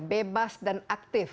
bebas dan aktif